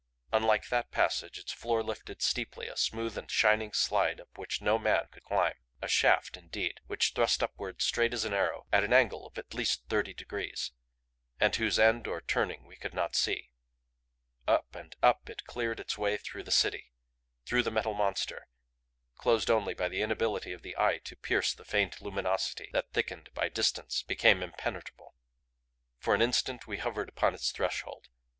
Unlike that passage, its floor lifted steeply a smooth and shining slide up which no man could climb. A shaft, indeed, which thrust upward straight as an arrow at an angle of at least thirty degrees and whose end or turning we could not see. Up and up it cleared its way through the City through the Metal Monster closed only by the inability of the eye to pierce the faint luminosity that thickened by distance became impenetrable. For an instant we hovered upon its threshold.